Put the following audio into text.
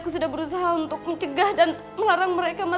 saya sudah berusaha untuk mencegah dan melarang mereka ma